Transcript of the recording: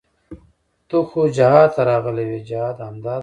ته خو جهاد ته راغلى وې جهاد همدا دى.